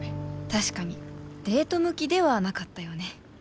確かにデート向きではなかったよね